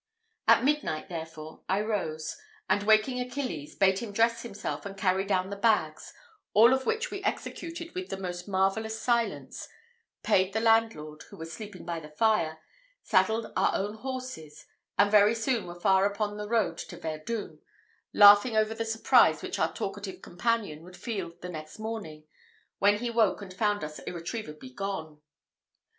At midnight, therefore, I rose; and, waking Achilles, bade him dress himself, and carry down the bags, all of which we executed with the most marvellous silence, paid the landlord, who was sleeping by the fire, saddled our own horses, and very soon were far upon the road to Verdun, laughing over the surprise which our talkative companion would feel the next morning, when he woke and found us irretrievably gone.